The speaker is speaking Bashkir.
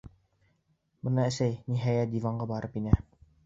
Бына әсә, ниһайәт, диванға барып инә.